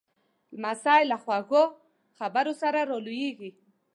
لمسی له خواږه خبرو سره را لویېږي.